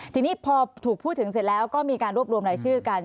ทีนี้พอถูกพูดถึงเสร็จแล้วก็มีการรวบรวมรายชื่อกัน